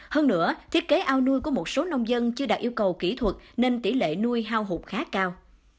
hơn nữa thiết kế ao nuôi của một số nông dân chưa đạt yêu cầu kỹ thuật nên tỷ lệ nuôi hao hụt khá cao